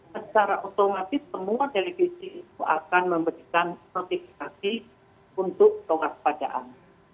secara otomatis semua televisi itu akan memberikan notifikasi untuk kewaspadaan